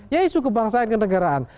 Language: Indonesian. ya isu kebangsaan kedegaraan